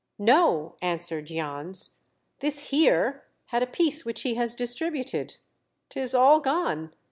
"No," answered Jans; "this Heer had a piece which he has distributed. 'Tis all gone.